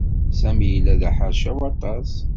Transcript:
Sami yella d aḥercaw aṭas.